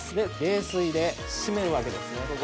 冷水で締めるわけですね。